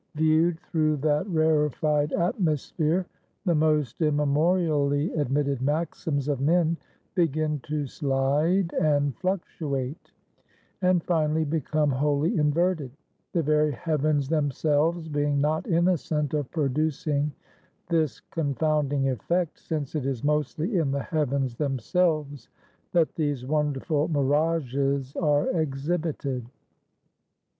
Viewed through that rarefied atmosphere the most immemorially admitted maxims of men begin to slide and fluctuate, and finally become wholly inverted; the very heavens themselves being not innocent of producing this confounding effect, since it is mostly in the heavens themselves that these wonderful mirages are exhibited.